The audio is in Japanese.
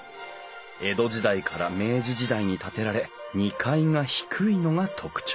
江戸時代から明治時代に建てられ２階が低いのが特徴。